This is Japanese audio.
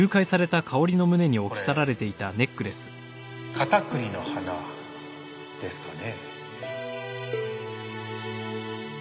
これカタクリの花ですかね？